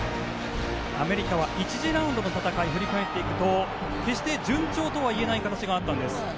アメリカは１次ラウンドの戦いを振り返っていくと決して順調とは言えない形だったんです。